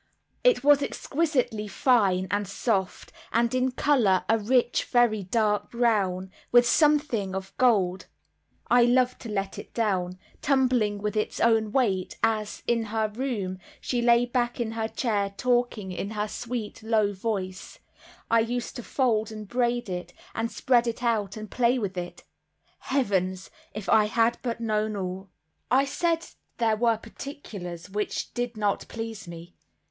It was exquisitely fine and soft, and in color a rich very dark brown, with something of gold. I loved to let it down, tumbling with its own weight, as, in her room, she lay back in her chair talking in her sweet low voice, I used to fold and braid it, and spread it out and play with it. Heavens! If I had but known all! I said there were particulars which did not please me.